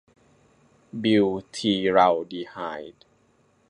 บิวธีรัลดีไฮด์